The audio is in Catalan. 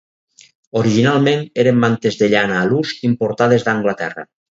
Originalment eren mantes de llana a l'ús importades d'Anglaterra.